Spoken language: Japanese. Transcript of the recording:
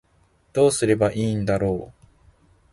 どうすればいいんだろう